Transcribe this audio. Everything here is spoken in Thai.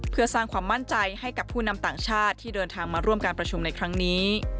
เพื่อสร้างความมั่นใจให้กับผู้นำต่างชาติที่เดินทางมาร่วมการประชุมในครั้งนี้